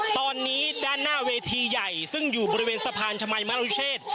ตอนนี้ด้านหน้าเวทีใหญ่ซึ่งอยู่บริเวณสะพานชมัยมรุเชษ